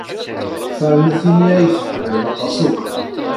Fernet ini ay tḥemmlem aṭas akk.